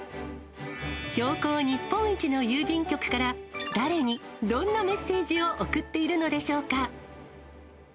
標高日本一の郵便局から、誰にどんなメッセージを送っているのでしょうか。